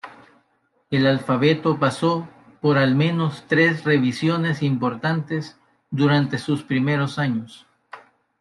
El alfabeto pasó por al menos tres revisiones importantes durante sus primeros años.